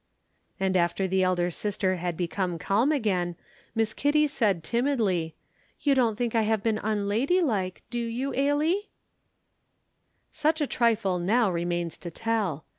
And after the elder sister had become calm again. Miss Kitty said timidly, "You don't think I have been unladylike, do you, Ailie?" Such a trifle now remains to tell.